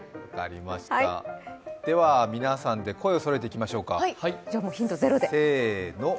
では皆さんで声をそろえていきましょうか、せーの。